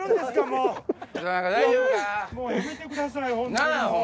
もうやめてください本当に。